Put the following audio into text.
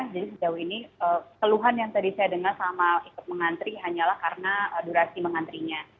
jadi sejauh ini keluhan yang tadi saya dengar sama ikut mengantri hanyalah karena durasi mengantrinya